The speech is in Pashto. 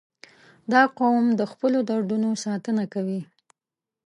• دا قوم د خپلو دودونو ساتنه کوي.